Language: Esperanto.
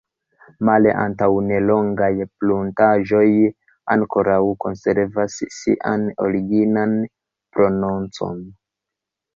Male antaŭnelongaj pruntaĵoj ankoraŭ konservas sian originan prononcon.